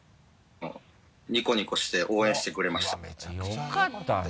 ニコニコして応援してくれましたよかったね。